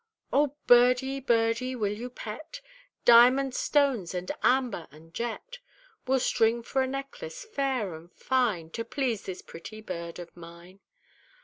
"O Birdie, Birdie, will you pet? Diamond stones and amber and jet We'll string for a necklace fair and fine To please this pretty bird of mine!"